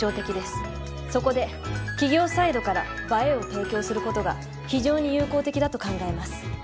そこで企業サイドから「映え」を提供する事が非常に有効的だと考えます。